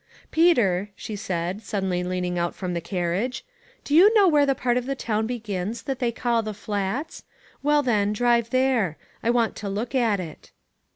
"Peter," she .said, suddenly leaning out from the carriage, "do you know where the part of the town begins that they call the Flats? Well, then, drive there. I want to look at it."